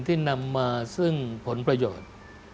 ที่นำมาซึ่งผลประโยชน์